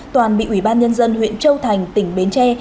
toàn bị ủy ban nhân dân huyện châu thành tỉnh bến tre